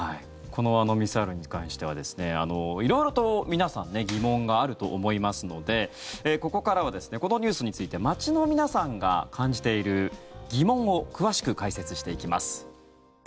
このミサイルに関しては色々と皆さん疑問があると思いますのでここからはこのニュースについて街の皆さんが感じている疑問を詳しく解説していきます。